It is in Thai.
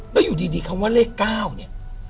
แล้วอยู่ดีคำว่าเลข๙เนี่ย